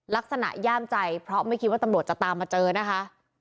ย่ามใจเพราะไม่คิดว่าตำรวจจะตามมาเจอนะคะ